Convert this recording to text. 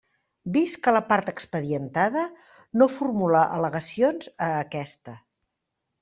Vist que la part expedientada no formula al·legacions a aquesta.